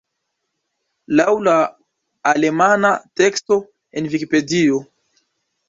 Laŭ la alemana teksto en Vikipedio.